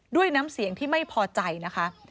ด้วยน้ำเสียงที่ไม่พอใจนะคะ